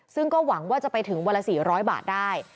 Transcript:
ซึ่งก็หวังว่าจะไปถึงวันละ๔๐๐บาทได้